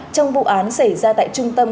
trong vụ án xảy ra tại trung tâm